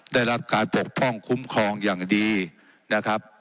ได้รับการปกป้องคุ้มครองอย่างดีนะครับ